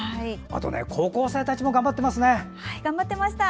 あと高校生たちも頑張ってますね。